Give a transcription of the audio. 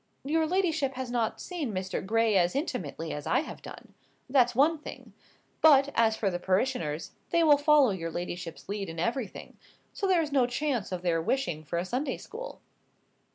"Your ladyship has not seen Mr. Gray as intimately as I have done. That's one thing. But, as for the parishioners, they will follow your ladyship's lead in everything; so there is no chance of their wishing for a Sunday school."